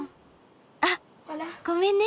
あっごめんね。